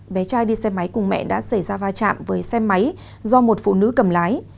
bé trai đi xe máy cùng mẹ đã xảy ra va chạm với xe máy do một phụ nữ cầm lái